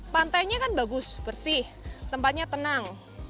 pantainya kan bagus bersih tempatnya tenang